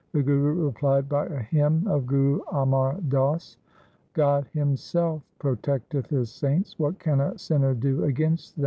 The Guru replied by a hymn of Guru Amar Das :— God Himself protecteth His saints ; what can a sinner do against them